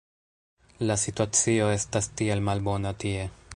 la situacio estas tiel malbona tie